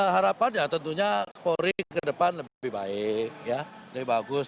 harapan ya tentunya polri ke depan lebih baik lebih bagus